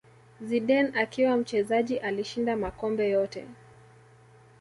Zidane akiwa mchezaji alishinda makombe yote